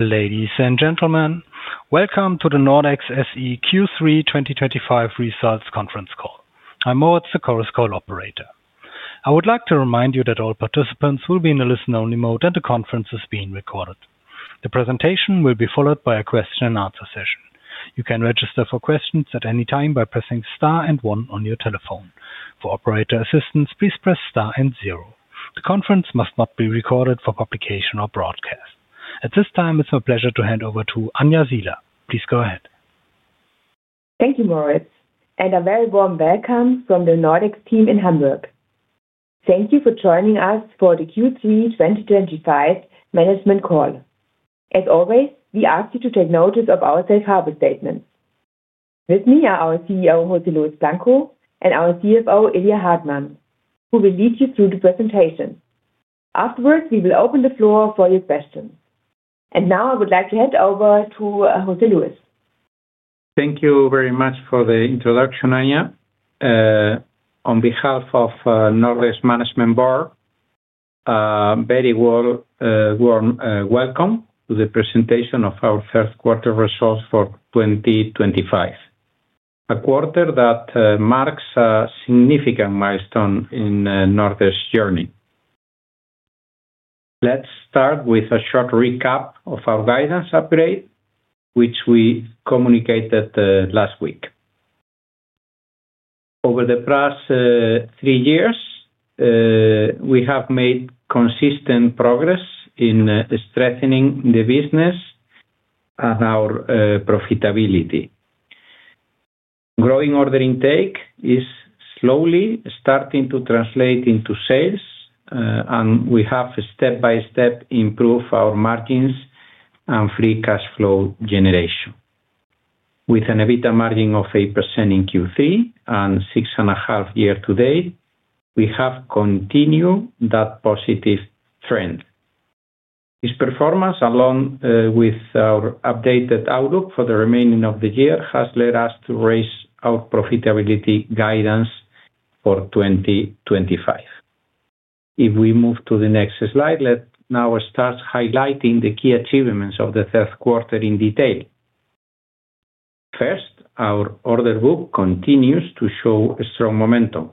Ladies and gentlemen, welcome to the Nordex SE Q3 2025 Results Conference call. I'm Moritz, the COROS call operator. I would like to remind you that all participants will be in a listen-only mode and the conference is being recorded. The presentation will be followed by a question-and-answer session. You can register for questions at any time by pressing star and one on your telephone. For operator assistance, please press star and zero. The conference must not be recorded for publication or broadcast. At this time, it's my pleasure to hand over to Anja Siehler. Please go ahead. Thank you, Moritz, and a very warm welcome from the Nordex team in Hamburg. Thank you for joining us for the Q3 2025 management call. As always, we ask you to take notice of our safe harbor statements. With me are our CEO, José Luis Blanco, and our CFO, Ilya Hartmann, who will lead you through the presentation. Afterwards, we will open the floor for your questions. Now I would like to hand over to José Luis. Thank you very much for the introduction, Anja. On behalf of Nordex Management Board. Very warm welcome to the presentation of our third-quarter results for 2025. A quarter that marks a significant milestone in Nordex's journey. Let's start with a short recap of our guidance upgrade, which we communicated last week. Over the past three years, we have made consistent progress in strengthening the business. And our profitability. Growing order intake is slowly starting to translate into sales, and we have step-by-step improved our margins and free cash flow generation. With an EBITDA margin of 8% in Q3 and 6.5% year to date, we have continued that positive trend. This performance, along with our updated outlook for the remaining of the year, has led us to raise our profitability guidance for 2025. If we move to the next slide, let's now start highlighting the key achievements of the third quarter in detail. First, our order book continues to show strong momentum.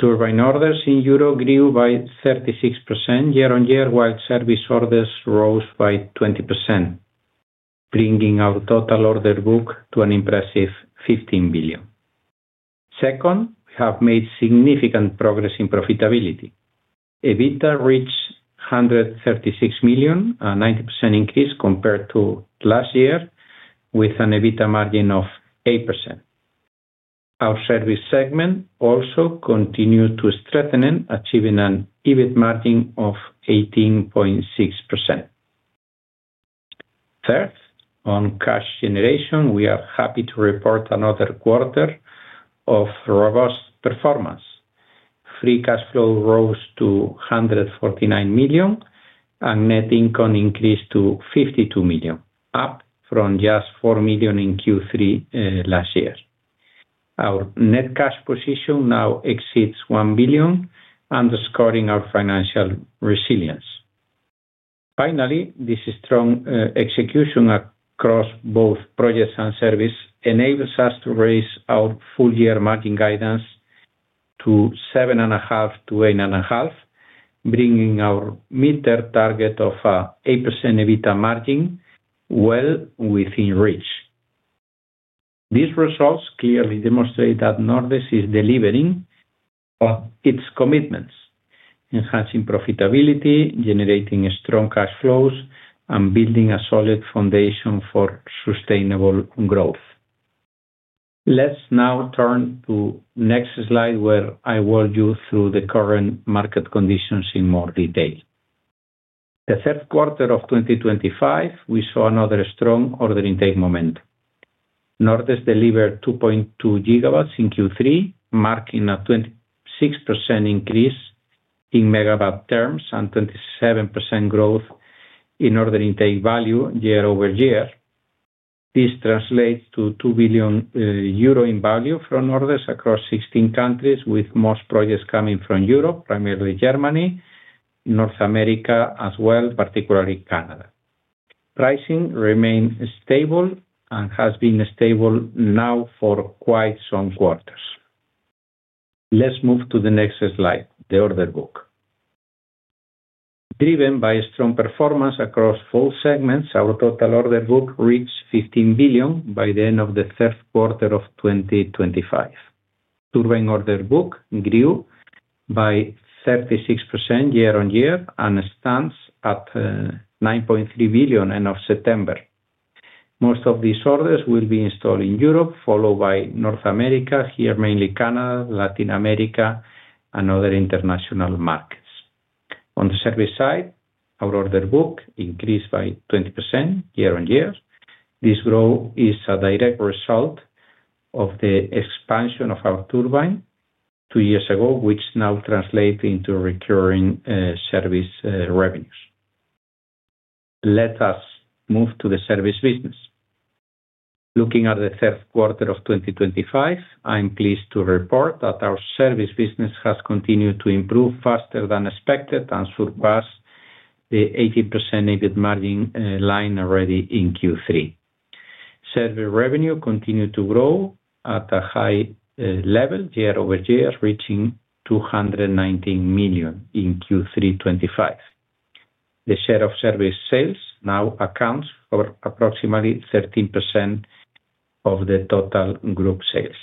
Turbine orders in EUR grew by 36% year-on-year, while service orders rose by 20%, bringing our total order book to an impressive 15 billion. Second, we have made significant progress in profitability. EBITDA reached 136 million, a 90% increase compared to last year, with an EBITDA margin of 8%. Our service segment also continued to strengthen, achieving an EBIT margin of 18.6%. Third, on cash generation, we are happy to report another quarter of robust performance. Free cash flow rose to 149 million, and net income increased to 52 million, up from just 4 million in Q3 last year. Our net cash position now exceeds 1 billion, underscoring our financial resilience. Finally, this strong execution across both projects and service enables us to raise our full-year margin guidance to 7.5%-8.5%, bringing our mid-term target of an 8% EBITDA margin well within reach. These results clearly demonstrate that Nordex is delivering on its commitments, enhancing profitability, generating strong cash flows, and building a solid foundation for sustainable growth. Let's now turn to the next slide, where I will go through the current market conditions in more detail. The third quarter of 2025, we saw another strong order intake moment. Nordex delivered 2.2 gigawatts in Q3, marking a 26% increase in megawatt terms and 27% growth in order intake value year-over-year. This translates to 2 billion euro in value from orders across 16 countries, with most projects coming from Europe, primarily Germany. North America as well, particularly Canada. Pricing remained stable and has been stable now for quite some quarters. Let's move to the next slide, the order book. Driven by strong performance across four segments, our total order book reached 15 billion by the end of the third quarter of 2025. Turbine order book grew by 36% year-on-year and stands at 9.3 billion end of September. Most of these orders will be installed in Europe, followed by North America, here mainly Canada, Latin America, and other international markets. On the service side, our order book increased by 20% year-on-year. This growth is a direct result of the expansion of our turbine two years ago, which now translates into recurring service revenues. Let us move to the service business. Looking at the third quarter of 2025, I'm pleased to report that our service business has continued to improve faster than expected and surpassed the 18% EBIT margin line already in Q3. Service revenue continued to grow at a high level year-over-year, reaching 219 million in Q3 2025. The share of service sales now accounts for approximately 13% of the total group sales.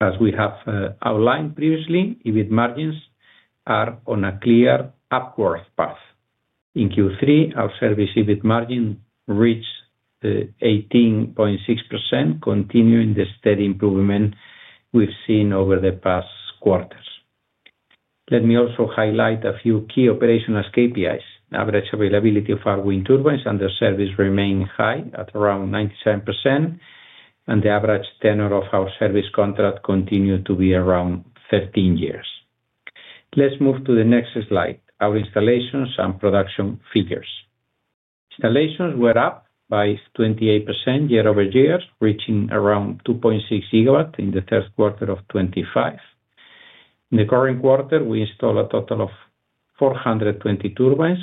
As we have outlined previously, EBIT margins are on a clear upward path. In Q3, our service EBIT margin reached 18.6%, continuing the steady improvement we've seen over the past quarters. Let me also highlight a few key operational KPIs. Average availability of our wind turbines under service remained high at around 97%. The average tenor of our service contract continued to be around 13 years. Let's move to the next slide, our installations and production figures. Installations were up by 28% year-over-year, reaching around 2.6 gigawatts in the third quarter of 2025. In the current quarter, we installed a total of 420 turbines,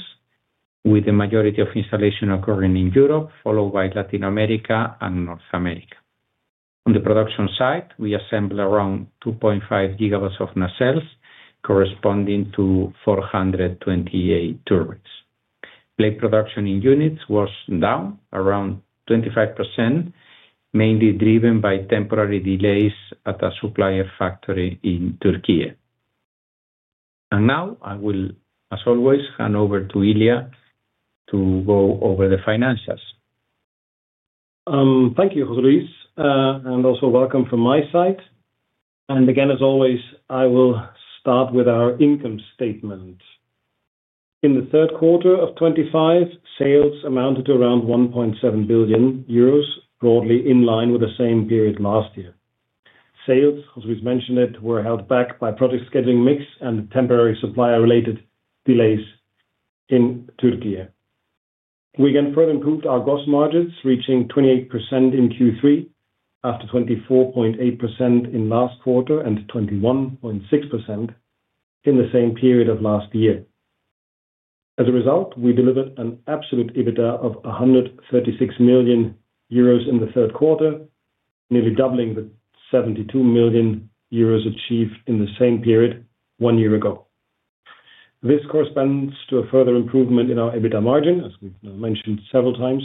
with the majority of installation occurring in Europe, followed by Latin America and North America. On the production side, we assembled around 2.5 gigawatts of nacelles, corresponding to 428 turbines. Blade production in units was down around 25%, mainly driven by temporary delays at a supplier factory in Türkiye. Now I will, as always, hand over to Ilya to go over the financials. Thank you, José Luis. Also welcome from my side. Again, as always, I will start with our income statement. In the third quarter of 2025, sales amounted to around 1.7 billion euros, broadly in line with the same period last year. Sales, as we've mentioned, were held back by project scheduling mix and temporary supplier-related delays in Türkiye. We again further improved our gross margins, reaching 28% in Q3 after 24.8% in the last quarter and 21.6% in the same period of last year. As a result, we delivered an absolute EBITDA of 136 million euros in the third quarter, nearly doubling the 72 million euros achieved in the same period one year ago. This corresponds to a further improvement in our EBITDA margin, as we've mentioned several times,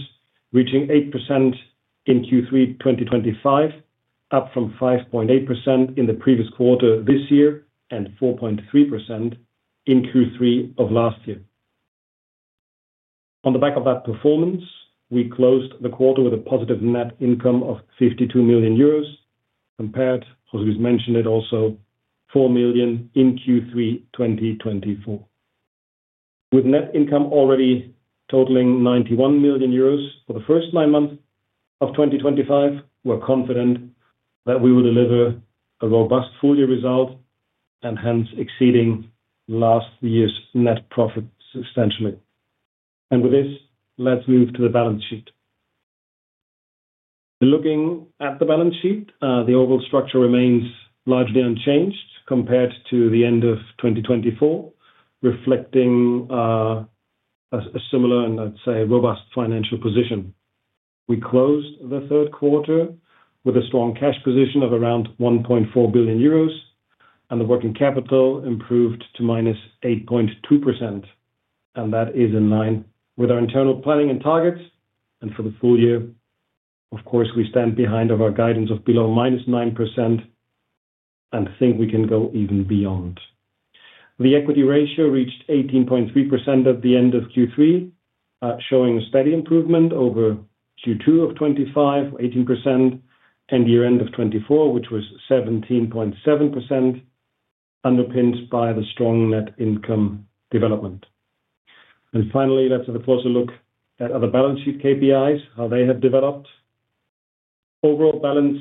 reaching 8% in Q3 2025, up from 5.8% in the previous quarter this year and 4.3% in Q3 of last year. On the back of that performance, we closed the quarter with a positive net income of 52 million euros, compared, as we've mentioned, also to 4 million in Q3 2024. With net income already totaling 91 million euros for the first nine months of 2025, we're confident that we will deliver a robust full-year result and hence exceeding last year's net profit substantially. With this, let's move to the balance sheet. Looking at the balance sheet, the overall structure remains largely unchanged compared to the end of 2024, reflecting a similar and, I'd say, robust financial position. We closed the third quarter with a strong cash position of around 1.4 billion euros, and the working capital improved to minus 8.2%. That is in line with our internal planning and targets and for the full year, of course, we stand behind our guidance of below minus 9% and think we can go even beyond. The equity ratio reached 18.3% at the end of Q3, showing a steady improvement over Q2 of 2025, 18%, and year-end of 2024, which was 17.7%, underpinned by the strong net income development. Finally, let's have a closer look at other balance sheet KPIs, how they have developed. Overall balance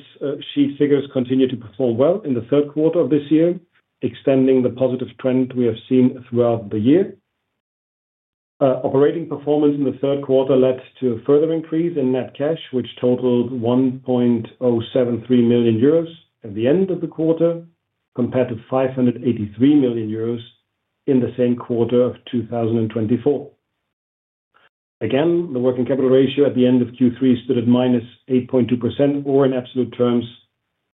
sheet figures continue to perform well in the third quarter of this year, extending the positive trend we have seen throughout the year. Operating performance in the third quarter led to a further increase in net cash, which totaled 1,073 million euros at the end of the quarter, compared to 583 million euros in the same quarter of 2024. Again, the working capital ratio at the end of Q3 stood at minus 8.2%, or in absolute terms,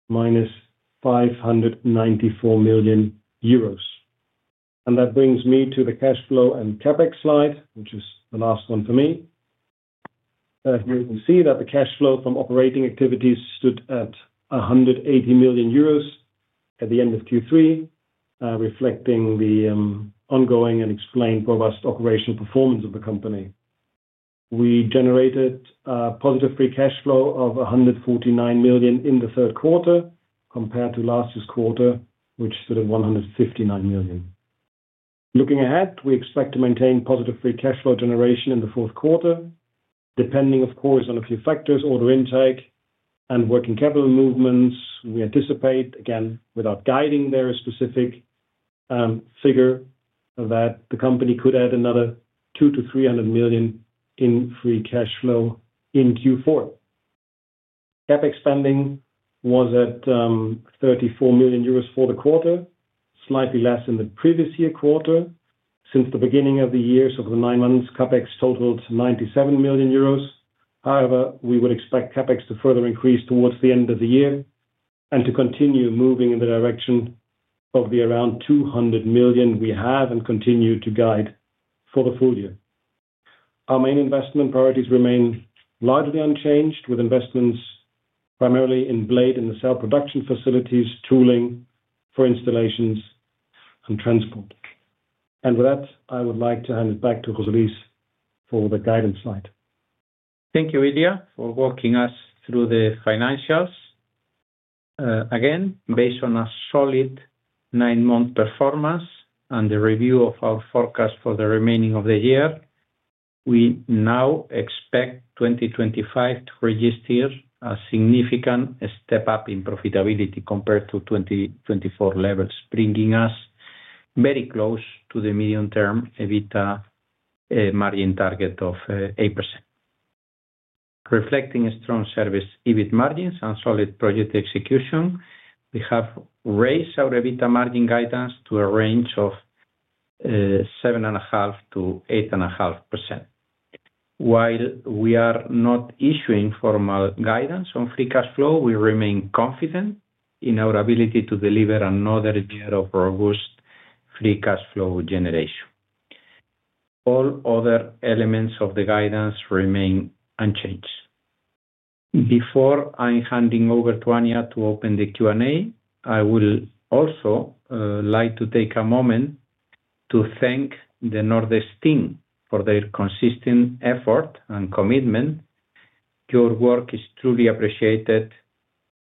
minus 594 million euros. That brings me to the cash flow and CapEx slide, which is the last one for me. Here we can see that the cash flow from operating activities stood at 180 million euros at the end of Q3, reflecting the ongoing and explained robust operational performance of the company. We generated a positive free cash flow of 149 million in the third quarter compared to last year's quarter, which stood at 159 million. Looking ahead, we expect to maintain positive free cash flow generation in the fourth quarter, depending, of course, on a few factors: order intake and working capital movements. We anticipate, again, without guiding their specific figure, that the company could add another 200 million-300 million in free cash flow in Q4. CapEx spending was at 34 million euros for the quarter, slightly less than the previous year quarter. Since the beginning of the year, so for the nine months, CapEx totaled 97 million euros. However, we would expect CapEx to further increase towards the end of the year and to continue moving in the direction of the around 200 million we have and continue to guide for the full year. Our main investment priorities remain largely unchanged, with investments primarily in blade and nacelle production facilities, tooling for installations and transport. With that, I would like to hand it back to José Luis for the guidance slide. Thank you, Ilya, for walking us through the financials. Again, based on a solid nine-month performance and the review of our forecast for the remaining of the year, we now expect 2025 to register a significant step up in profitability compared to 2024 levels, bringing us very close to the medium-term EBITDA margin target of 8%. Reflecting strong service EBIT margins and solid project execution, we have raised our EBITDA margin guidance to a range of 7.5%-8.5%. While we are not issuing formal guidance on free cash flow, we remain confident in our ability to deliver another year of robust free cash flow generation. All other elements of the guidance remain unchanged. Before I am handing over to Anja to open the Q&A, I would also like to take a moment to thank the Nordex team for their consistent effort and commitment. Your work is truly appreciated,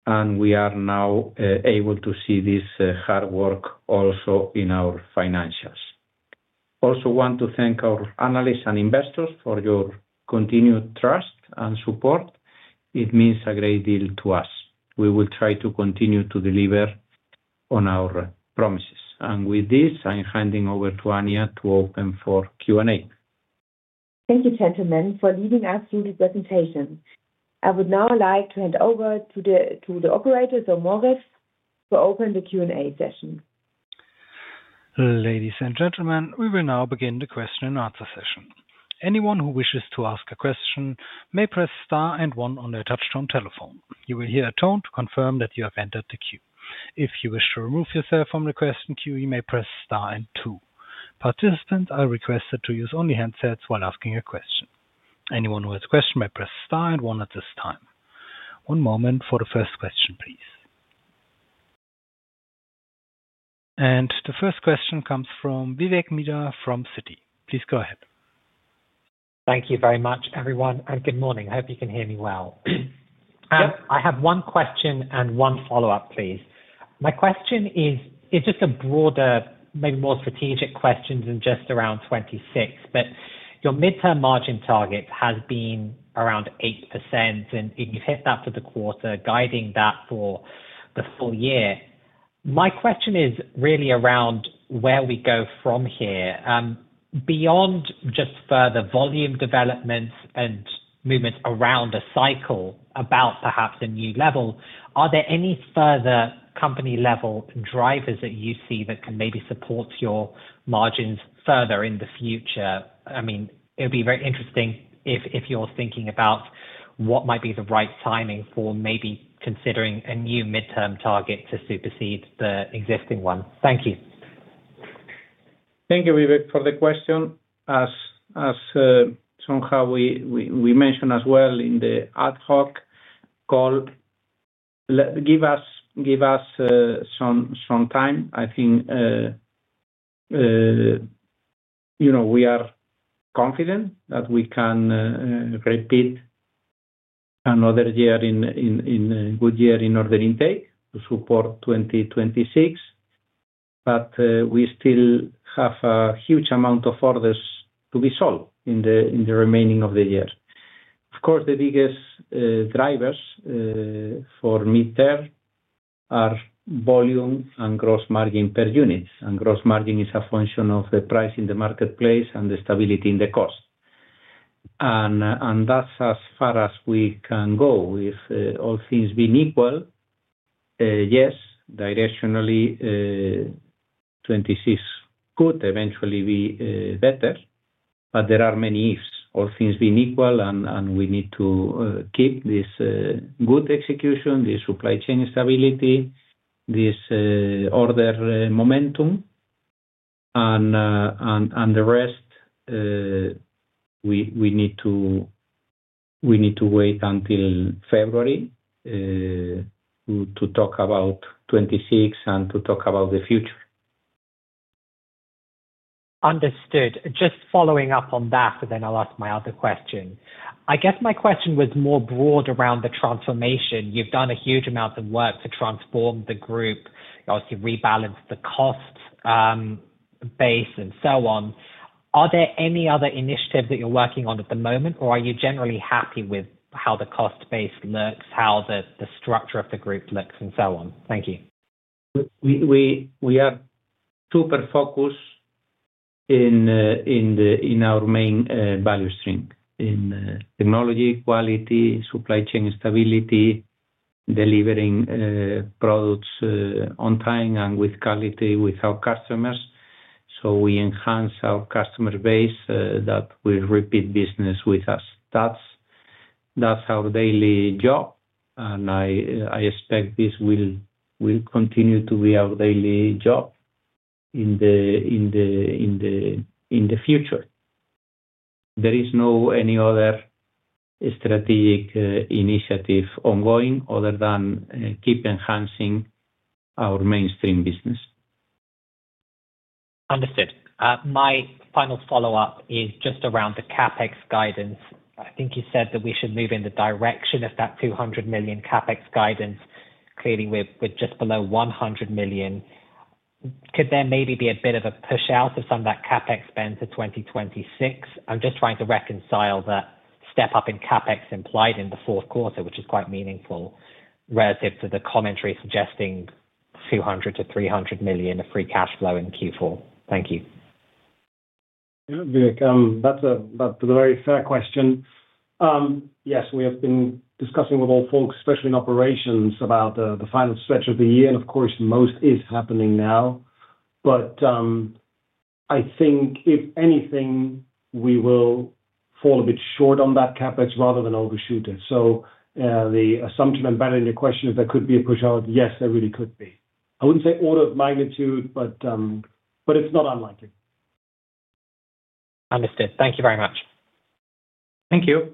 and we are now able to see this hard work also in our financials. I also want to thank our analysts and investors for your continued trust and support. It means a great deal to us. We will try to continue to deliver on our promises. With this, I am handing over to Anja to open for Q&A. Thank you, gentlemen, for leading us through the presentation. I would now like to hand over to the operator, Moritz, to open the Q&A session. Ladies and gentlemen, we will now begin the question-and-answer session. Anyone who wishes to ask a question may press Star and one on their touchstone telephone. You will hear a tone to confirm that you have entered the queue. If you wish to remove yourself from the question queue, you may press Star and two. Participants are requested to use only handsets while asking a question. Anyone who has a question may press Star and one at this time. One moment for the first question, please. The first question comes from Vivek Midha from Citi. Please go ahead. Thank you very much, everyone, and good morning. I hope you can hear me well. I have one question and one follow-up, please. My question is just a broader, maybe more strategic question than just around 26, but your midterm margin target has been around 8%, and you've hit that for the quarter, guiding that for the full year. My question is really around where we go from here. Beyond just further volume developments and movements around a cycle about perhaps a new level, are there any further company-level drivers that you see that can maybe support your margins further in the future? I mean, it would be very interesting if you're thinking about what might be the right timing for maybe considering a new midterm target to supersede the existing one. Thank you. Thank you, Vivek, for the question. As we mentioned as well in the ad hoc call, give us some time. I think we are confident that we can repeat another good year in order intake to support 2026, but we still have a huge amount of orders to be solved in the remaining of the year. Of course, the biggest drivers for midterm are volume and gross margin per unit, and gross margin is a function of the price in the marketplace and the stability in the cost. That is as far as we can go. If all things being equal, yes, directionally, 2026 could eventually be better, but there are many ifs. All things being equal, we need to keep this good execution, this supply chain stability, this order momentum. The rest, we need to wait until February to talk about 2026 and to talk about the future. Understood. Just following up on that, then I'll ask my other question. I guess my question was more broad around the transformation. You've done a huge amount of work to transform the group. You obviously rebalanced the cost base and so on. Are there any other initiatives that you're working on at the moment, or are you generally happy with how the cost base looks, how the structure of the group looks, and so on? Thank you. We have super focus in our main value string: technology, quality, supply chain stability, delivering products on time and with quality with our customers. We enhance our customer base that will repeat business with us. That's our daily job, and I expect this will continue to be our daily job in the future. There is no other strategic initiative ongoing other than keep enhancing our mainstream business. Understood. My final follow-up is just around the CapEx guidance. I think you said that we should move in the direction of that 200 million CapEx guidance. Clearly, we're just below 100 million. Could there maybe be a bit of a push out of some of that CapEx spend to 2026? I'm just trying to reconcile that step up in CapEx implied in the fourth quarter, which is quite meaningful. Relative to the commentary suggesting 200-300 million of free cash flow in Q4. Thank you. Vivek, that's a very fair question. Yes, we have been discussing with all folks, especially in operations, about the final stretch of the year, and of course, most is happening now. I think if anything, we will fall a bit short on that CapEx rather than overshoot it. The assumption embedded in your question is there could be a push out. Yes, there really could be. I would not say order of magnitude, but it is not unlikely. Understood. Thank you very much. Thank you.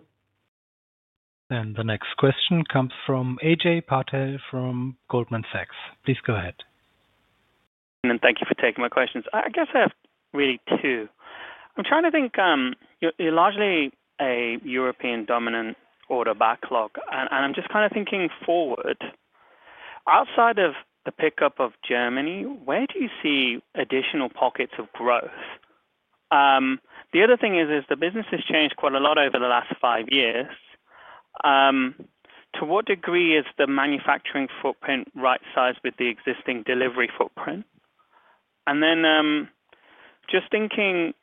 The next question comes from Ajay Patel from Goldman Sachs. Please go ahead. Thank you for taking my questions. I guess I have really two. I'm trying to think. You're largely a European-dominant order backlog, and I'm just kind of thinking forward. Outside of the pickup of Germany, where do you see additional pockets of growth? The other thing is, the business has changed quite a lot over the last five years. To what degree is the manufacturing footprint right-sized with the existing delivery footprint? Just thinking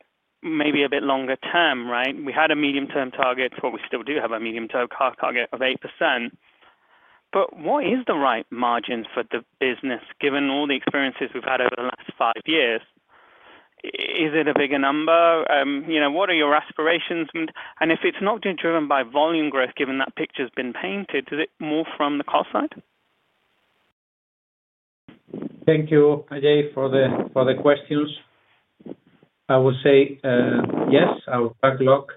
maybe a bit longer term, right? We had a medium-term target, or we still do have a medium-term target of 8%. What is the right margin for the business, given all the experiences we've had over the last five years? Is it a bigger number? What are your aspirations? If it's not driven by volume growth, given that picture has been painted, is it more from the cost side? Thank you, Ajay, for the questions. I would say yes, our backlog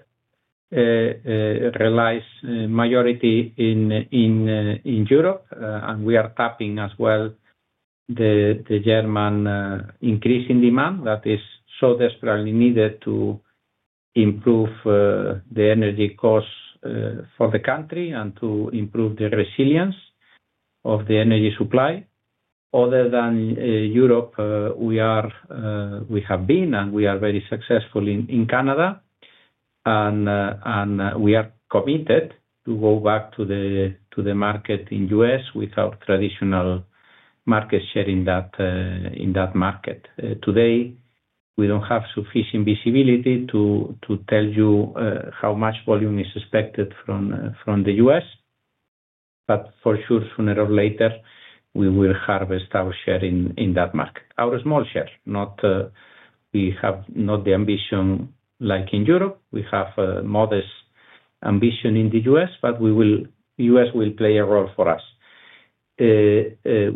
relies majority in Europe, and we are tapping as well the German increase in demand that is so desperately needed to improve the energy costs for the country and to improve the resilience of the energy supply. Other than Europe, we have been, and we are very successful in Canada, and we are committed to go back to the market in the U.S. without traditional market share in that market. Today, we do not have sufficient visibility to tell you how much volume is expected from the U.S., but for sure, sooner or later, we will harvest our share in that market, our small share. We have not the ambition like in Europe. We have modest ambition in the U.S., but the U.S. will play a role for us.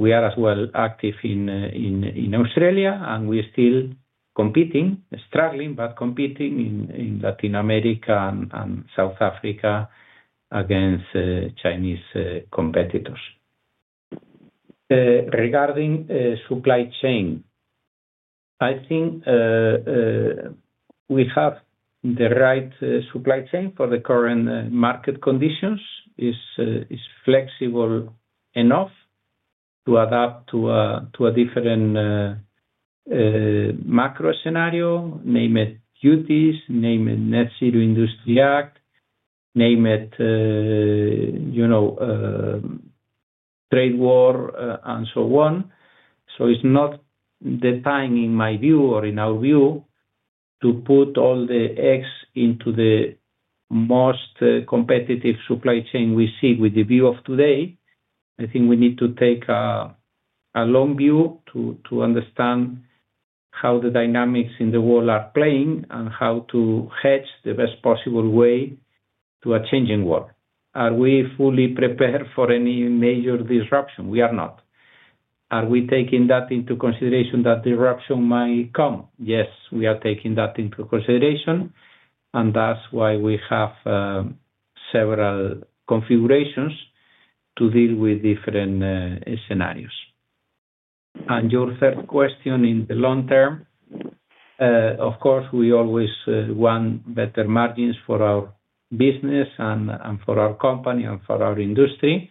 We are as well active in Australia, and we are still competing, struggling, but competing in Latin America and South Africa against Chinese competitors. Regarding supply chain, I think we have the right supply chain for the current market conditions. It is flexible enough to adapt to a different macro scenario, name it duties, name it Net Zero Industry Act, name it trade war, and so on. It is not the time, in my view or in our view, to put all the eggs into the most competitive supply chain we see with the view of today. I think we need to take a long view to understand how the dynamics in the world are playing and how to hedge the best possible way to a changing world. Are we fully prepared for any major disruption? We are not. Are we taking that into consideration that disruption might come? Yes, we are taking that into consideration, and that is why we have several configurations to deal with different scenarios. Your third question in the long term. Of course, we always want better margins for our business and for our company and for our industry.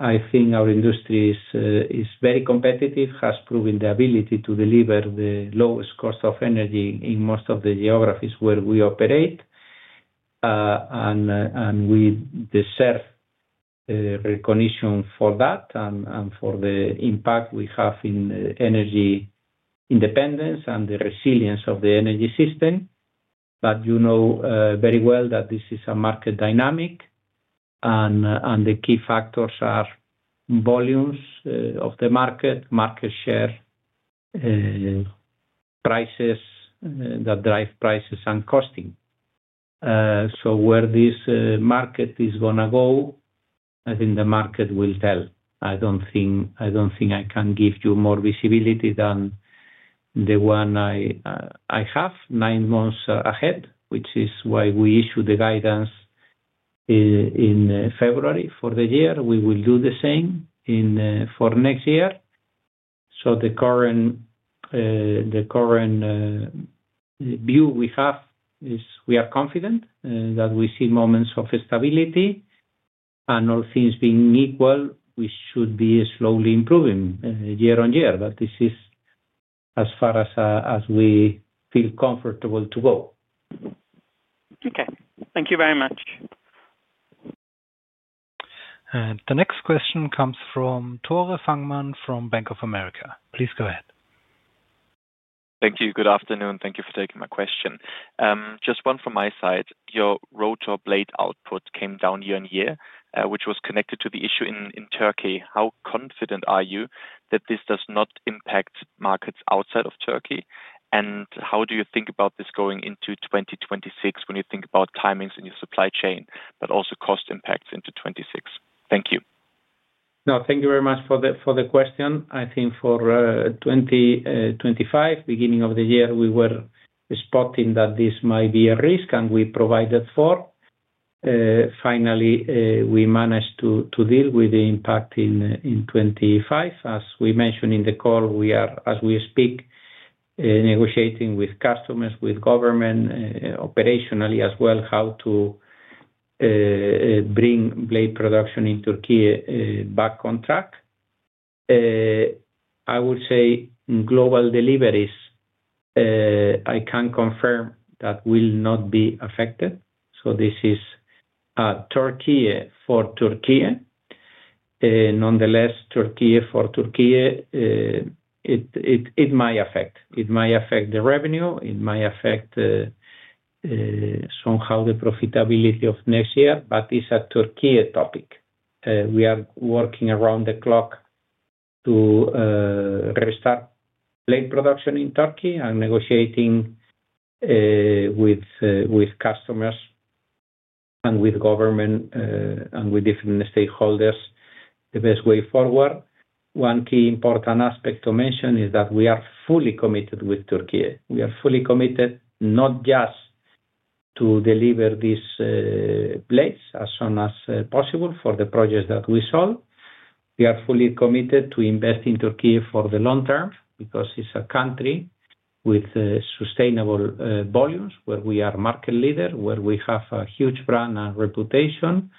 I think our industry is very competitive, has proven the ability to deliver the lowest cost of energy in most of the geographies where we operate, and we deserve recognition for that and for the impact we have in energy independence and the resilience of the energy system. You know very well that this is a market dynamic, and the key factors are volumes of the market, market share, prices that drive prices, and costing. Where this market is going to go, I think the market will tell. I do not think I can give you more visibility than the one I have nine months ahead, which is why we issued the guidance in February for the year. We will do the same for next year. The current view we have is we are confident that we see moments of stability, and all things being equal, we should be slowly improving year on year. This is as far as we feel comfortable to go. Okay. Thank you very much. The next question comes from Tore Fangmann from Bank of America. Please go ahead. Thank you. Good afternoon. Thank you for taking my question. Just one from my side. Your rotor blade output came down year on year, which was connected to the issue in Türkiye. How confident are you that this does not impact markets outside of Türkiye? How do you think about this going into 2026 when you think about timings in your supply chain, but also cost impacts into 2026? Thank you. No, thank you very much for the question. I think for 2025, beginning of the year, we were spotting that this might be a risk, and we provided for. Finally, we managed to deal with the impact in 2025. As we mentioned in the call, we are, as we speak, negotiating with customers, with government, operationally as well, how to bring blade production in Türkiye back on track. I would say global deliveries, I can confirm that will not be affected. This is Türkiye for Türkiye. Nonetheless, Türkiye for Türkiye, it might affect, it might affect the revenue, it might affect somehow the profitability of next year, but it is a Türkiye topic. We are working around the clock to restart blade production in Türkiye and negotiating with customers and with government and with different stakeholders the best way forward. One key important aspect to mention is that we are fully committed with Türkiye. We are fully committed not just to deliver these blades as soon as possible for the projects that we sold. We are fully committed to invest in Türkiye for the long term because it is a country with sustainable volumes where we are market leader, where we have a huge brand and reputation,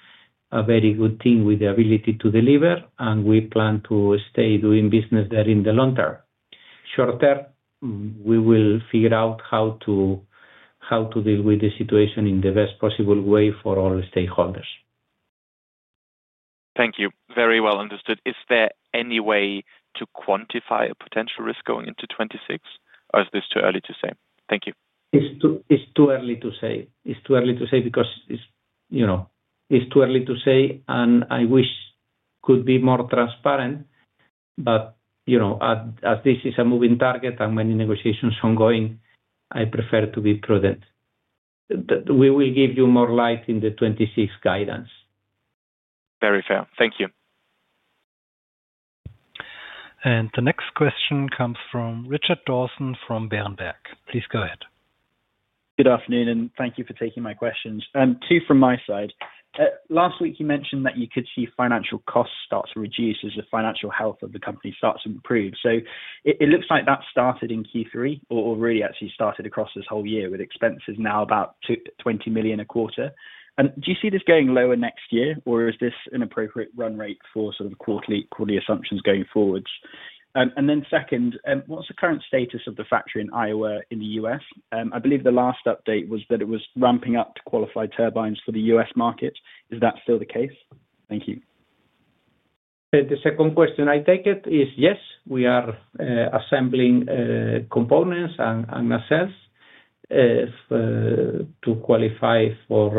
a very good team with the ability to deliver, and we plan to stay doing business there in the long term. Short term, we will figure out how to deal with the situation in the best possible way for all stakeholders. Thank you. Very well understood. Is there any way to quantify a potential risk going into 2026, or is this too early to say? Thank you. It's too early to say. It's too early to say because it's too early to say, and I wish I could be more transparent. As this is a moving target and many negotiations are ongoing, I prefer to be prudent. We will give you more light in the 2026 guidance. Very fair. Thank you. The next question comes from Richard Dawson from Berenberg Bank. Please go ahead. Good afternoon, and thank you for taking my questions. Two from my side. Last week, you mentioned that you could see financial costs start to reduce as the financial health of the company starts to improve. It looks like that started in Q3, or really actually started across this whole year with expenses now about $20 million a quarter. Do you see this going lower next year, or is this an appropriate run rate for sort of quarterly assumptions going forward? Second, what's the current status of the factory in Iowa in the U.S.? I believe the last update was that it was ramping up to qualify turbines for the U.S. market. Is that still the case? Thank you. The second question, I take it, is yes, we are assembling components and nacelles to qualify for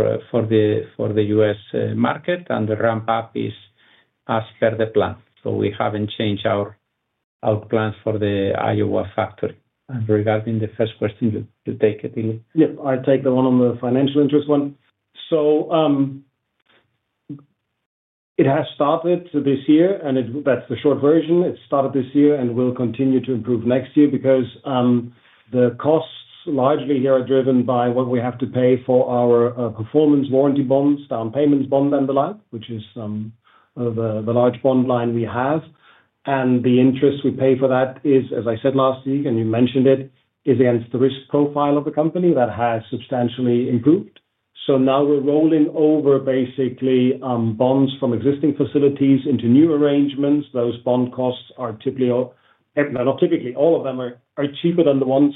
the U.S. market, and the ramp-up is as per the plan. We have not changed our plans for the Iowa factory. Regarding the first question, you take it, Ilya? Yeah. I take the one on the financial interest one. It has started this year, and that's the short version. It started this year and will continue to improve next year because the costs largely here are driven by what we have to pay for our performance warranty bonds, down payment bond, and the like, which is the large bond line we have. The interest we pay for that is, as I said last week, and you mentioned it, is against the risk profile of the company that has substantially improved. Now we're rolling over basically bonds from existing facilities into new arrangements. Those bond costs are typically, not typically, all of them are cheaper than the ones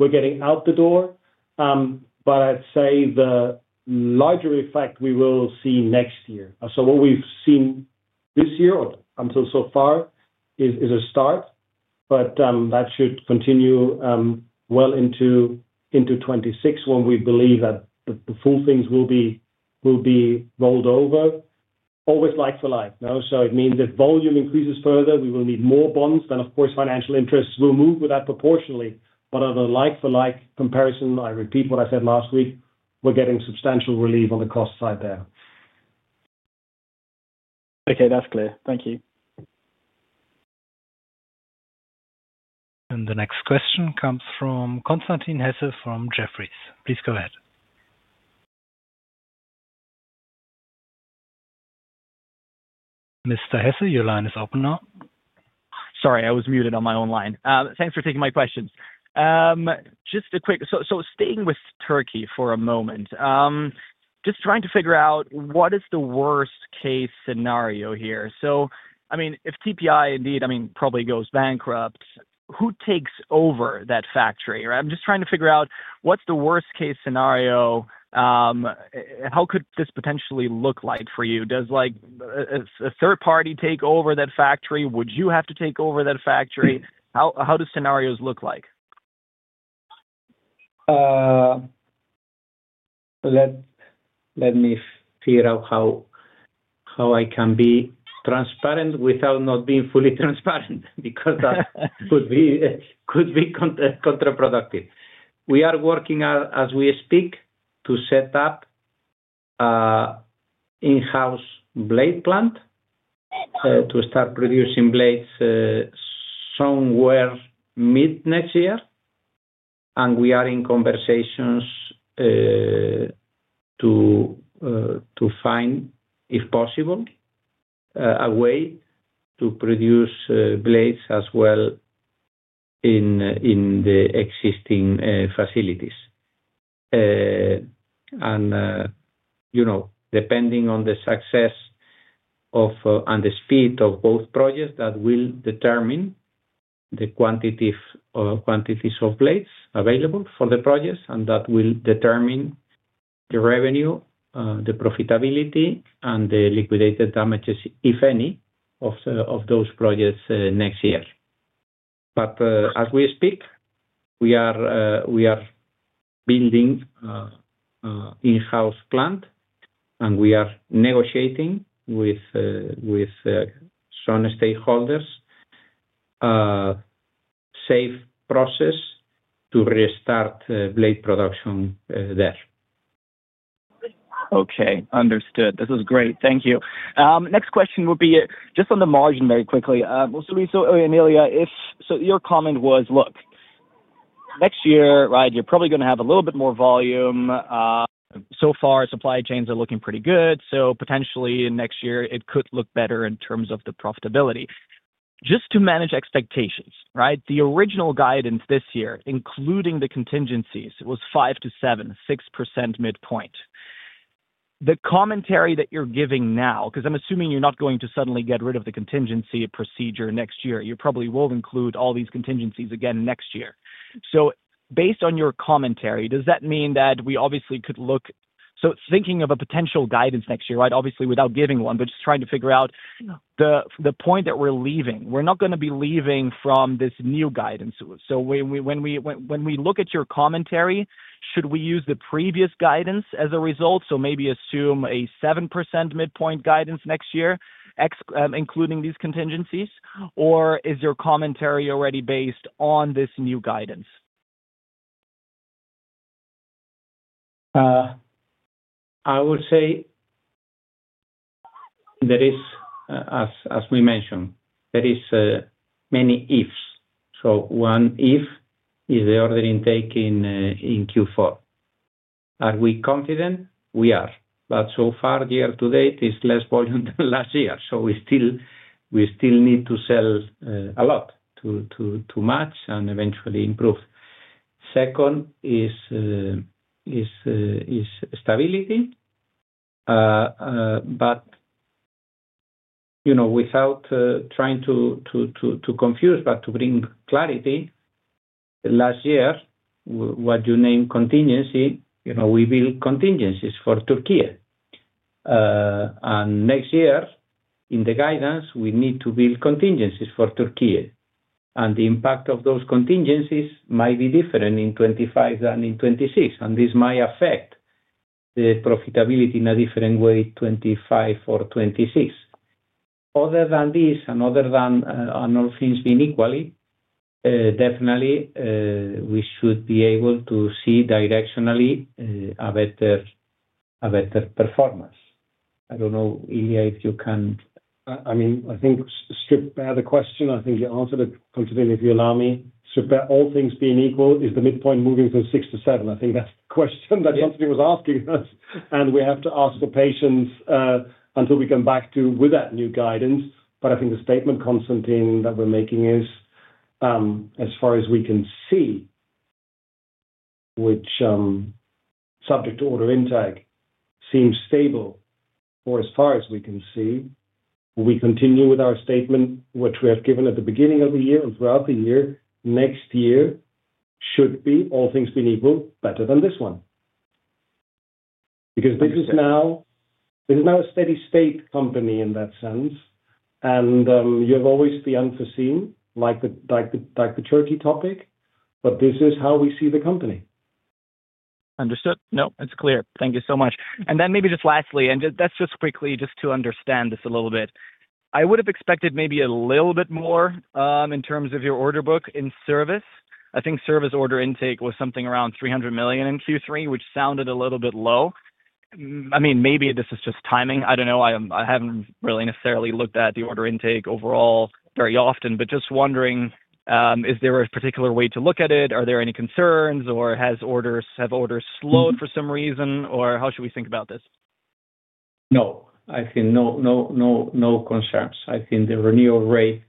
we're getting out the door. I'd say the larger effect we will see next year. What we've seen this year so far is a start, but that should continue into 2026 when we believe that the full things will be rolled over, always like for like. It means if volume increases further, we will need more bonds. Of course, financial interests will move with that proportionally. On a like-for-like comparison, I repeat what I said last week, we're getting substantial relief on the cost side there. Okay. That's clear. Thank you. The next question comes from Constantin Hesse from Jefferies. Please go ahead. Mr. Hesse, your line is open now. Sorry, I was muted on my own line. Thanks for taking my questions. Just a quick, so staying with Türkiye for a moment. Just trying to figure out what is the worst-case scenario here. I mean, if TPI indeed, I mean, probably goes bankrupt, who takes over that factory? I'm just trying to figure out what's the worst-case scenario. How could this potentially look like for you? Does a third party take over that factory? Would you have to take over that factory? How do scenarios look like? Let me figure out how I can be transparent without not being fully transparent because that could be contraproductive. We are working as we speak to set up an in-house blade plant to start producing blades somewhere mid next year. We are in conversations to find, if possible, a way to produce blades as well in the existing facilities. Depending on the success and the speed of both projects, that will determine the quantities of blades available for the projects, and that will determine the revenue, the profitability, and the liquidated damages, if any, of those projects next year. As we speak, we are building an in-house plant, and we are negotiating with some stakeholders a safe process to restart blade production there. Okay. Understood. This was great. Thank you. Next question would be just on the margin very quickly. So Luiso, Ilya, so your comment was, look. Next year, right, you're probably going to have a little bit more volume. So far, supply chains are looking pretty good. So potentially next year, it could look better in terms of the profitability. Just to manage expectations, right? The original guidance this year, including the contingencies, was 5-7%, 6% midpoint. The commentary that you're giving now, because I'm assuming you're not going to suddenly get rid of the contingency procedure next year, you probably will include all these contingencies again next year. So based on your commentary, does that mean that we obviously could look—so thinking of a potential guidance next year, right? Obviously, without giving one, but just trying to figure out the point that we're leaving. We're not going to be leaving from this new guidance. So when we look at your commentary, should we use the previous guidance as a result? So maybe assume a 7% midpoint guidance next year. Including these contingencies? Or is your commentary already based on this new guidance? I would say. There is, as we mentioned, there are many ifs. One if is the order intake in Q4. Are we confident? We are. But so far, year to date, it is less volume than last year. We still need to sell a lot to match and eventually improve. Second is stability. Without trying to confuse, but to bring clarity. Last year, what you named contingency, we built contingencies for Türkiye. Next year, in the guidance, we need to build contingencies for Türkiye. The impact of those contingencies might be different in 2025 than in 2026. This might affect the profitability in a different way in 2025 or 2026. Other than this, and other than all things being equal, definitely, we should be able to see directionally a better performance. I do not know, Ilya, if you can. I mean, I think stripped out the question, I think you answered it completely if you allow me. All things being equal, is the midpoint moving from 6 to 7? I think that's the question that Constantin was asking us. We have to ask for patience until we come back to that new guidance. I think the statement, Constantin, that we're making is, as far as we can see, which, subject to order intake, seems stable, or as far as we can see, we continue with our statement, which we have given at the beginning of the year and throughout the year. Next year should be, all things being equal, better than this one, because this is now a steady-state company in that sense. You have always the unforeseen, like the Turkey topic, but this is how we see the company. Understood. No, it's clear. Thank you so much. Maybe just lastly, and that's just quickly just to understand this a little bit. I would have expected maybe a little bit more in terms of your order book in service. I think service order intake was something around 300 million in Q3, which sounded a little bit low. I mean, maybe this is just timing. I don't know. I haven't really necessarily looked at the order intake overall very often, but just wondering, is there a particular way to look at it? Are there any concerns, or have orders slowed for some reason, or how should we think about this? No. I think no concerns. I think the renewal rate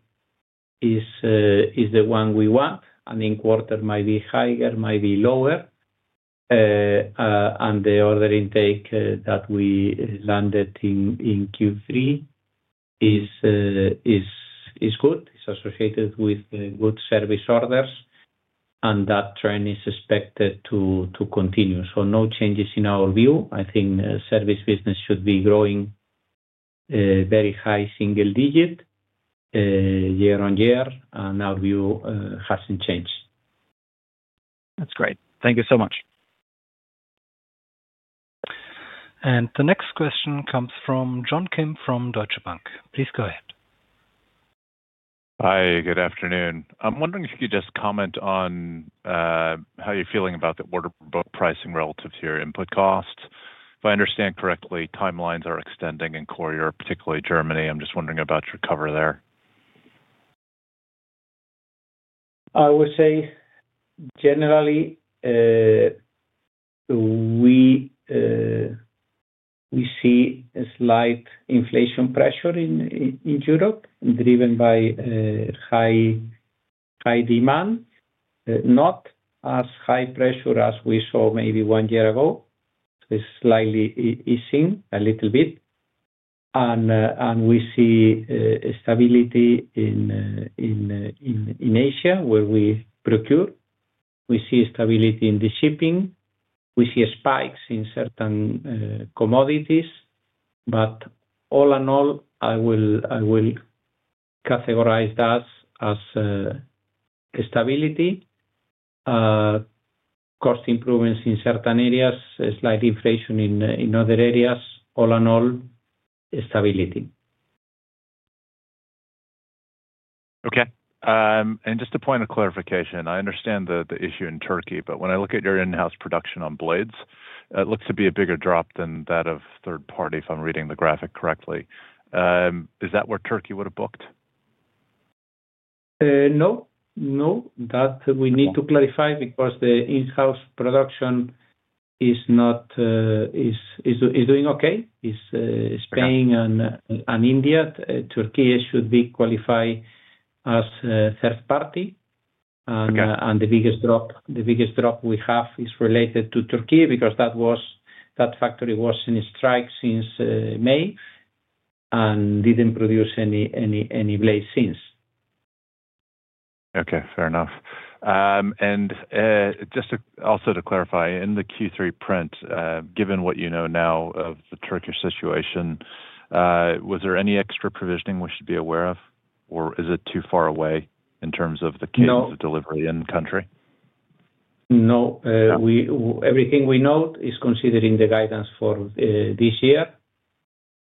is the one we want. I mean, quarter might be higher, might be lower. The order intake that we landed in Q3 is good. It is associated with good service orders, and that trend is expected to continue. No changes in our view. I think service business should be growing very high single digit year on year, and our view has not changed. That's great. Thank you so much. The next question comes from John Kim from Deutsche Bank. Please go ahead. Hi, good afternoon. I'm wondering if you could just comment on how you're feeling about the order book pricing relative to your input costs. If I understand correctly, timelines are extending in court, particularly Germany. I'm just wondering about your cover there. I would say generally we see a slight inflation pressure in Europe driven by high demand. Not as high pressure as we saw maybe one year ago. It is slightly easing a little bit. We see stability in Asia, where we procure. We see stability in the shipping. We see spikes in certain commodities. All in all, I will categorize that as stability. Cost improvements in certain areas, slight inflation in other areas. All in all, stability. Okay. Just a point of clarification. I understand the issue in Türkiye, but when I look at your in-house production on blades, it looks to be a bigger drop than that of third party, if I'm reading the graphic correctly. Is that where Türkiye would have booked? No. No. That we need to clarify because the in-house production is doing okay. It's Spain and India. Türkiye should be qualified as a third party. The biggest drop we have is related to Türkiye because that factory was in strike since May and did not produce any blade since. Okay. Fair enough. Just also to clarify, in the Q3 print, given what you know now of the Turkish situation, was there any extra provisioning we should be aware of? Or is it too far away in terms of the cadence of delivery in the country? No. Everything we know is considering the guidance for this year.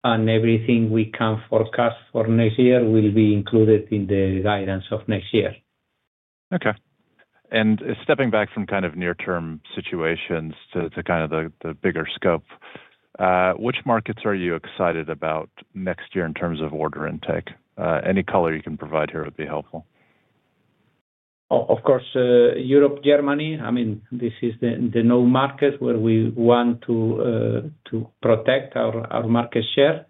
Everything we can forecast for next year will be included in the guidance of next year. Okay. Stepping back from kind of near-term situations to kind of the bigger scope, which markets are you excited about next year in terms of order intake? Any color you can provide here would be helpful. Of course, Europe, Germany. I mean, this is the known market where we want to protect our market share.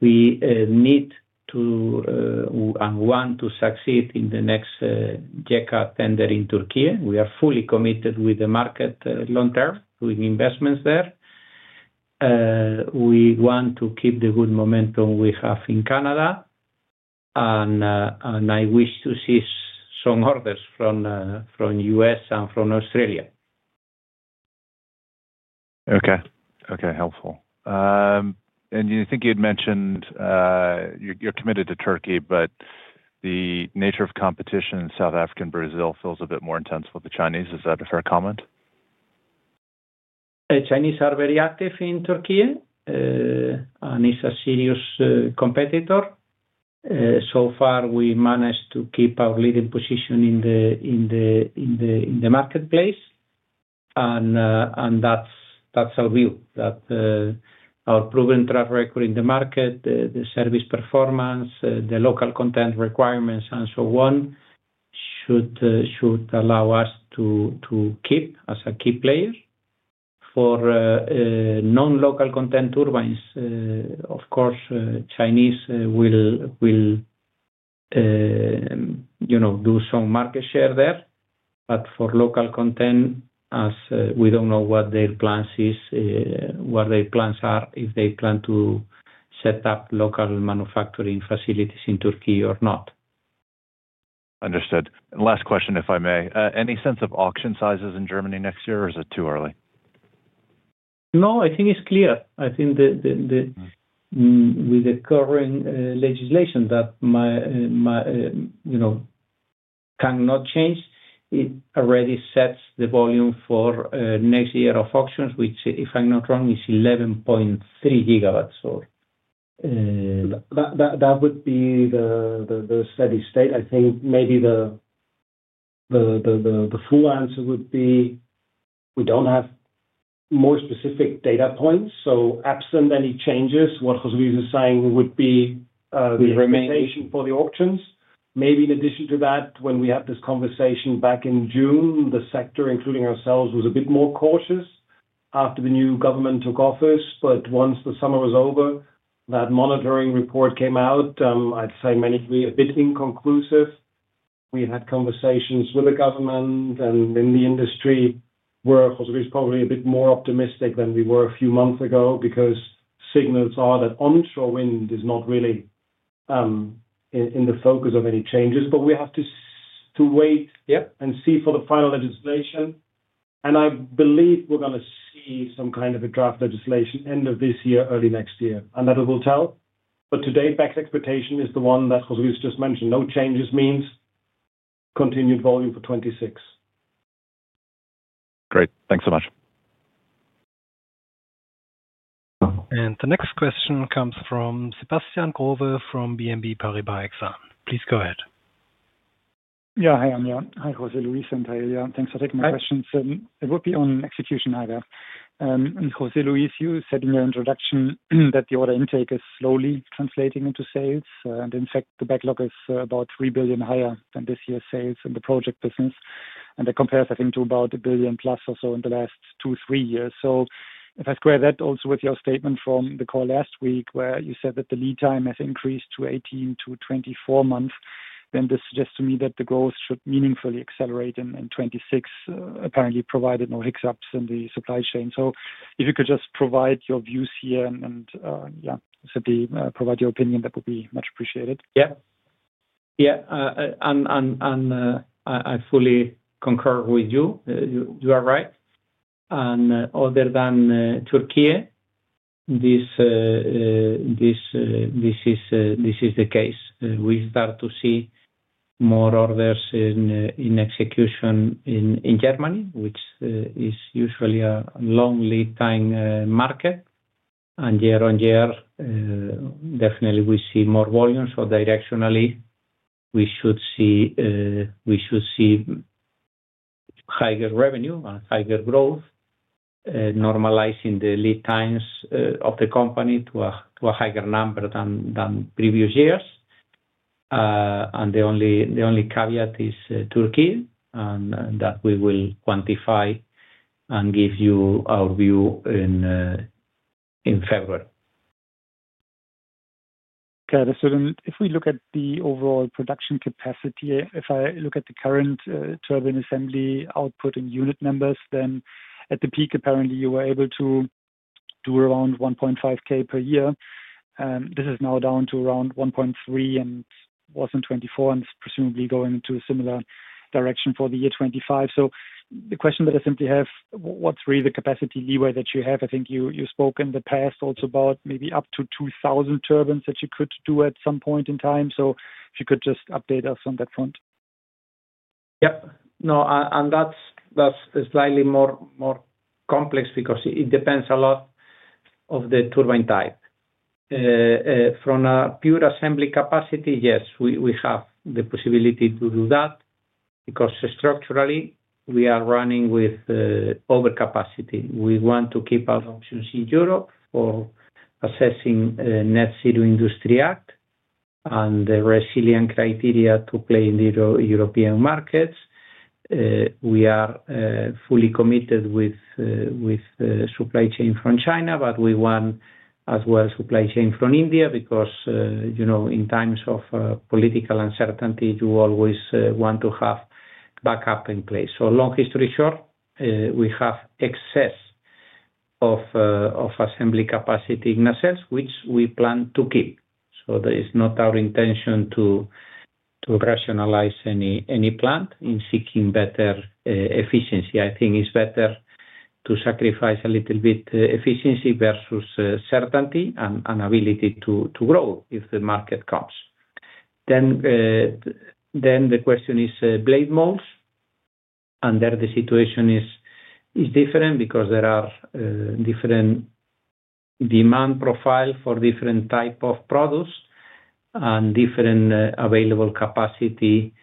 We need to and want to succeed in the next YEKA tender in Türkiye. We are fully committed with the market long-term, doing investments there. We want to keep the good momentum we have in Canada. I wish to see some orders from the U.S. and from Australia. Okay. Okay. Helpful. I think you had mentioned you're committed to Türkiye, but the nature of competition in South Africa and Brazil feels a bit more intense with the Chinese. Is that a fair comment? The Chinese are very active in Türkiye. It's a serious competitor. So far, we managed to keep our leading position in the marketplace. That's our view. Our proven track record in the market, the service performance, the local content requirements, and so on should allow us to keep as a key player. For non-local content turbines, of course, Chinese will do some market share there. For local content, we don't know what their plans are, if they plan to set up local manufacturing facilities in Türkiye or not. Understood. Last question, if I may. Any sense of auction sizes in Germany next year, or is it too early? No, I think it's clear. I think with the current legislation that cannot change, it already sets the volume for next year of auctions, which, if I'm not wrong, is 11.3 gigawatts. That would be the steady state. I think maybe the full answer would be we do not have more specific data points. So absent any changes, what José Luis is saying would be the expectation for the auctions. Maybe in addition to that, when we had this conversation back in June, the sector, including ourselves, was a bit more cautious after the new government took office. Once the summer was over, that monitoring report came out. I would say a bit inconclusive. We had conversations with the government and in the industry where José Luis is probably a bit more optimistic than we were a few months ago because signals are that onshore wind is not really in the focus of any changes. We have to wait and see for the final legislation. I believe we are going to see some kind of a draft legislation end of this year, early next year. That will tell. Today, BEC's expectation is the one that José Luis just mentioned. No changes means continued volume for 2026. Great. Thanks so much. The next question comes from Sebastian Growe from BNP Paribas. Please go ahead. Yeah. Hi, Anja. Hi, José Luis and Ilya. Thanks for taking my questions. It would be on execution either. José Luis, you said in your introduction that the order intake is slowly translating into sales. In fact, the backlog is about 3 billion higher than this year's sales in the project business. That compares, I think, to about 1 billion-plus or so in the last two, three years. If I square that also with your statement from the call last week where you said that the lead time has increased to 18-24 months, then this suggests to me that the growth should meaningfully accelerate in 2026, apparently provided no hiccups in the supply chain. If you could just provide your views here and, yeah, simply provide your opinion, that would be much appreciated. Yeah. I fully concur with you. You are right. Other than Türkiye, this is the case. We start to see more orders in execution in Germany, which is usually a long lead time market. Year on year, definitely we see more volume. Directionally, we should see higher revenue and higher growth, normalizing the lead times of the company to a higher number than previous years. The only caveat is Türkiye, and that we will quantify and give you our view in February. Got it. If we look at the overall production capacity, if I look at the current turbine assembly output and unit numbers, at the peak, apparently, you were able to do around 1,500 per year. This is now down to around 1,300 and was in 2024 and is presumably going into a similar direction for the year 2025. The question that I simply have, what's really the capacity leeway that you have? I think you spoke in the past also about maybe up to 2,000 turbines that you could do at some point in time. If you could just update us on that front. Yep. No, and that's slightly more complex because it depends a lot on the turbine type. From a pure assembly capacity, yes, we have the possibility to do that because structurally, we are running with overcapacity. We want to keep our options in Europe for assessing Net Zero Industry Act and the resilient criteria to play in the European markets. We are fully committed with supply chain from China, but we want as well supply chain from India because in times of political uncertainty, you always want to have backup in place. So long history short, we have excess of assembly capacity in ourselves, which we plan to keep. It's not our intention to rationalize any plant in seeking better efficiency. I think it's better to sacrifice a little bit efficiency versus certainty and ability to grow if the market comes. The question is blade modes. There the situation is different because there are different demand profiles for different types of products and different available capacity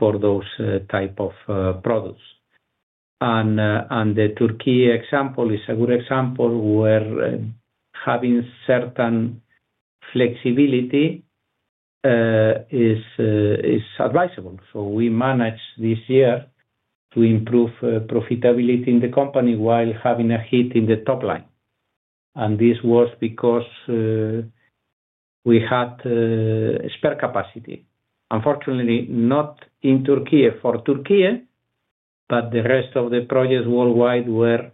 for those types of products. The Turkey example is a good example where having certain flexibility is advisable. We managed this year to improve profitability in the company while having a hit in the top line. This was because we had spare capacity, unfortunately not in Turkey for Turkey, but the rest of the projects worldwide were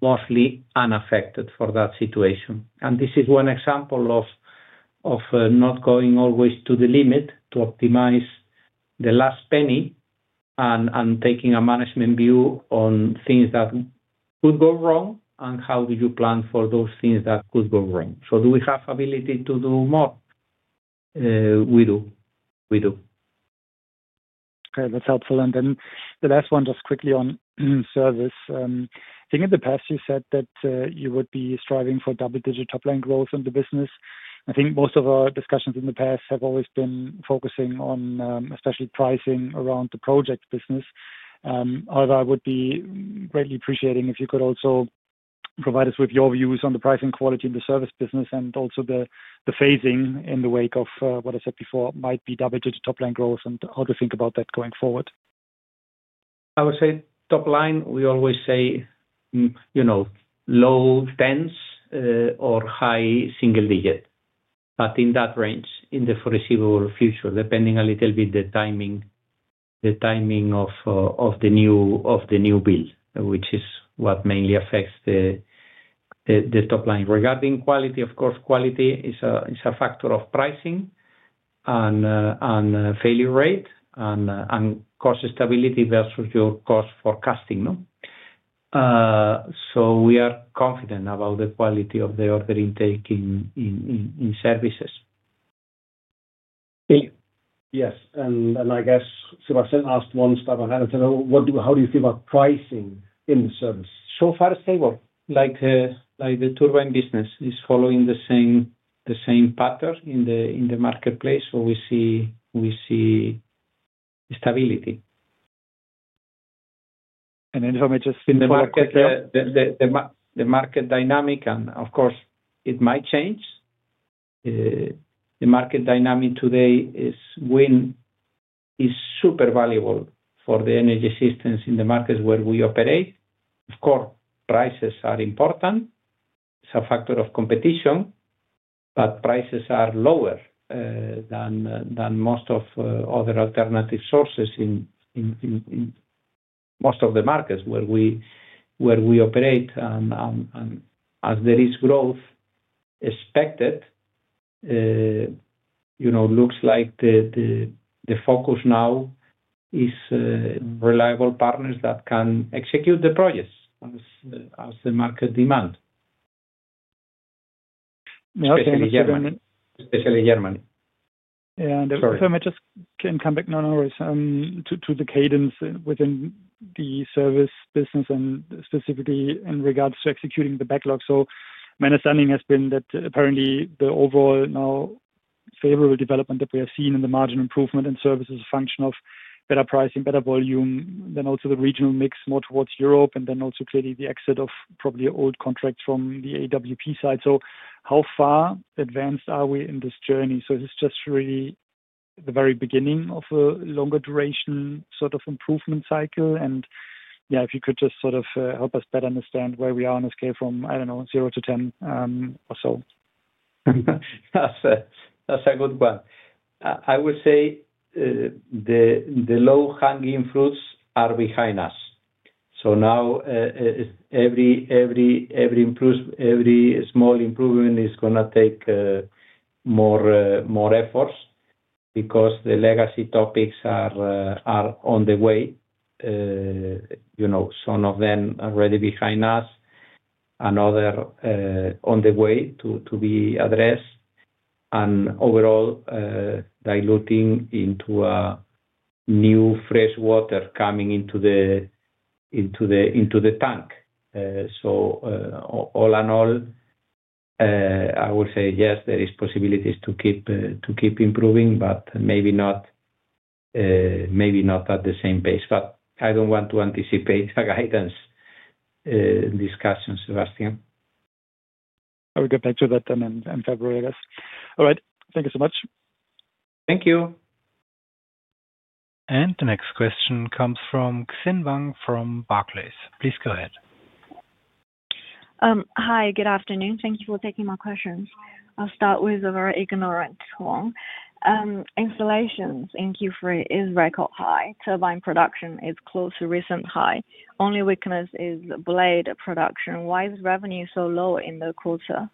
mostly unaffected for that situation. This is one example of not going always to the limit to optimize the last penny and taking a management view on things that could go wrong and how do you plan for those things that could go wrong. Do we have the ability to do more? We do. We do. Okay. That's helpful. The last one, just quickly on service. I think in the past, you said that you would be striving for double-digit top-line growth in the business. I think most of our discussions in the past have always been focusing on especially pricing around the project business. However, I would be greatly appreciating if you could also provide us with your views on the pricing quality in the service business and also the phasing in the wake of what I said before might be double-digit top-line growth and how to think about that going forward. I would say top line, we always say. Low teens or high single digit. But in that range, in the foreseeable future, depending a little bit on the timing of the new build, which is what mainly affects the top line. Regarding quality, of course, quality is a factor of pricing and failure rate and cost stability versus your cost forecasting. So we are confident about the quality of the order intake in services. Yes. I guess Sebastian asked one step ahead. I said, "How do you feel about pricing in the service? So far, stable. Like, the turbine business is following the same pattern in the marketplace. We see stability. If I may just. In the market. The market dynamic, and of course, it might change. The market dynamic today is super valuable for the energy systems in the markets where we operate. Of course, prices are important. It's a factor of competition. Prices are lower than most of other alternative sources in most of the markets where we operate. As there is growth expected, it looks like the focus now is reliable partners that can execute the projects as the market demands. Especially Germany. Yeah. And if I may just can come back, no worries, to the cadence within the service business and specifically in regards to executing the backlog. My understanding has been that apparently the overall now favorable development that we have seen in the margin improvement in service is a function of better pricing, better volume, then also the regional mix more towards Europe, and then also clearly the exit of probably old contracts from the AWP side. How far advanced are we in this journey? Is this just really the very beginning of a longer duration sort of improvement cycle? Yeah, if you could just sort of help us better understand where we are on a scale from, I do not know, 0 to 10 or so. That's a good one. I would say the low-hanging fruits are behind us. Now every small improvement is going to take more effort because the legacy topics are on the way. Some of them are already behind us and others are on the way to be addressed. Overall, diluting into a new fresh water coming into the tank. All in all, I would say, yes, there are possibilities to keep improving, but maybe not at the same pace. I do not want to anticipate the guidance discussion, Sebastian. I will get back to that then in February, I guess. All right. Thank you so much. Thank you. The next question comes from Xin Wang from Barclays. Please go ahead. Hi. Good afternoon. Thank you for taking my questions. I'll start with a very ignorant one. Installations in Q3 is record high. Turbine production is close to recent high. Only weakness is blade production. Why is revenue so low in the quarter?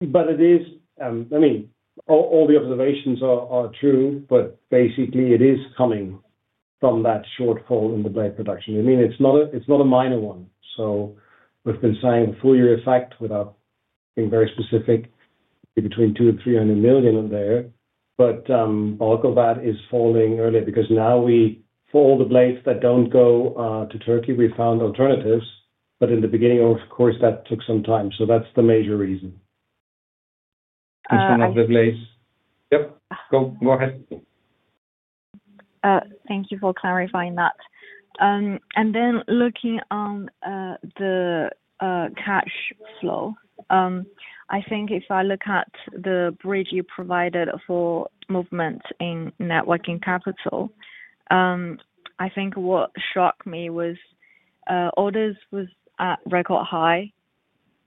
It is, I mean, all the observations are true, but basically, it is coming from that shortfall in the blade production. I mean, it's not a minor one. We've been saying the full year effect without being very specific, between 200 million and 300 million in there. Barclays, that is falling earlier because now for all the blades that do not go to Türkiye, we found alternatives. In the beginning, of course, that took some time. That is the major reason. For all the blades. Yep. Go ahead. Thank you for clarifying that. Then looking on the cash flow, I think if I look at the bridge you provided for movement in net working capital, I think what shocked me was orders were at record high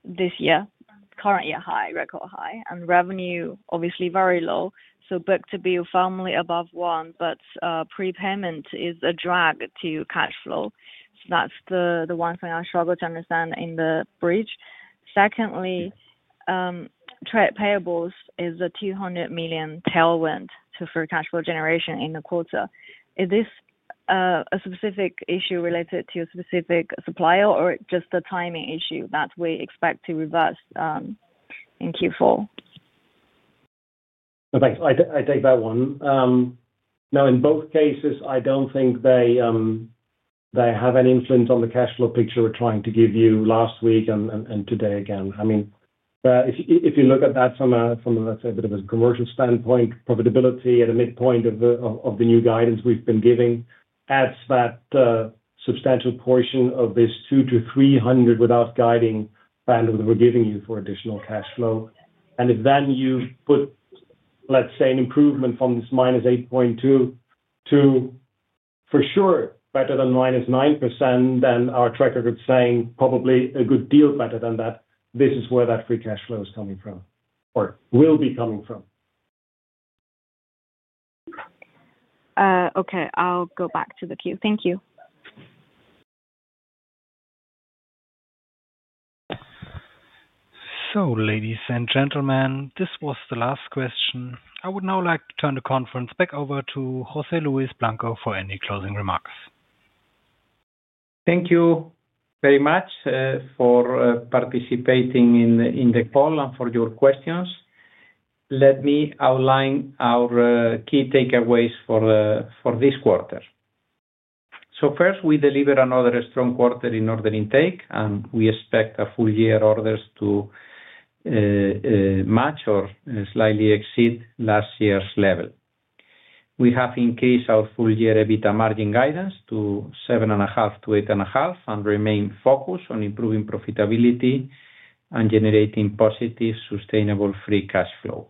this year, current year high, record high, and revenue, obviously, very low. Book to bill, firmly above one, but prepayment is a drag to cash flow. That is the one thing I struggled to understand in the bridge. Secondly, payables is a 200 million tailwind to free cash flow generation in the quarter. Is this a specific issue related to a specific supplier or just a timing issue that we expect to reverse in Q4? Thanks. I take that one. Now, in both cases, I do not think they have any influence on the cash flow picture we are trying to give you last week and today again. I mean, if you look at that from, let's say, a bit of a commercial standpoint, profitability at a midpoint of the new guidance we have been giving adds that substantial portion of this 200 million-300 million without guiding bandwidth we are giving you for additional cash flow. And if then you put, let's say, an improvement from this minus 8.2% to, for sure, better than minus 9%, then our tracker could say probably a good deal better than that, this is where that free cash flow is coming from or will be coming from. Okay. I'll go back to the queue. Thank you. Ladies and gentlemen, this was the last question. I would now like to turn the conference back over to José Luis Blanco for any closing remarks. Thank you very much for participating in the call and for your questions. Let me outline our key takeaways for this quarter. First, we deliver another strong quarter in order intake, and we expect our full-year orders to match or slightly exceed last year's level. We have increased our full-year EBITDA margin guidance to 7.5%-8.5% and remain focused on improving profitability and generating positive, sustainable free cash flow.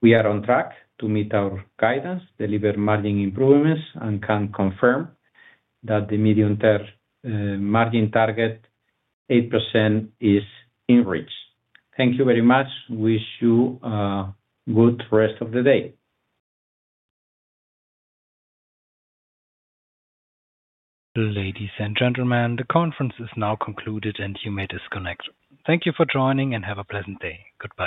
We are on track to meet our guidance, deliver margin improvements, and can confirm that the medium-term margin target, 8%, is in reach. Thank you very much. Wish you a good rest of the day. Ladies and gentlemen, the conference is now concluded, and you may disconnect. Thank you for joining, and have a pleasant day. Goodbye.